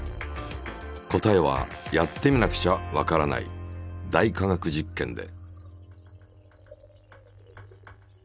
答えはやってみなくちゃわからない「大科学実験」で。